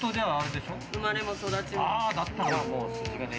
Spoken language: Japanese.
生まれも育ちも。